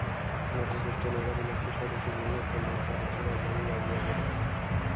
নাটোর, কুষ্টিয়া, নওগাঁ, দিনাজপুরসহ দেশের বিভিন্ন স্থান থেকে চাল আসে রাজধানীর বাবুবাজারে।